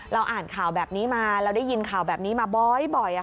เราอ่านข่าวแบบนี้มาเราได้ยินข่าวแบบนี้มาบ่อยบ่อยอะค่ะ